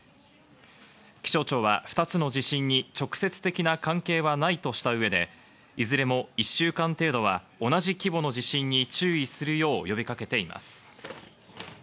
気象庁は２つの地震に直接的な関係はないとした上で、いずれも１週間程度は同じ規模の地震に注意するよう呼びかけています。